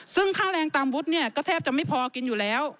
ซึ่งค่าแรงตามวุฒิเนี่ยก็แทบจะไม่พอกินอยู่แล้ว